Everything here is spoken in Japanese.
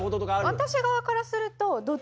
私側からすると。